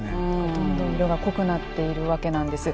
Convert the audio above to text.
どんどん色が濃くなっているわけなんです。